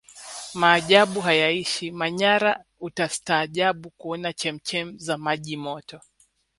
majaabu hayaishi manyara utastaajabu kuona chemchem za maji Moto